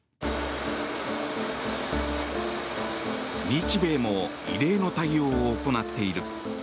日米も異例の対応を行っている。